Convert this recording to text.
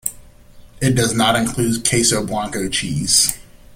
It does not include queso blanco cheese.